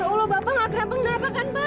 ya allah bapak gak kerap mengenapakan pak